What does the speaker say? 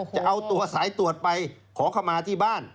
จะเอาตัวสายตรวจไปขอเข้ามาที่บ้าน